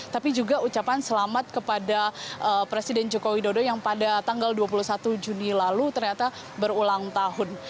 tapi juga ucapan selamat kepada presiden joko widodo yang pada tanggal dua puluh satu juni lalu ternyata berulang tahun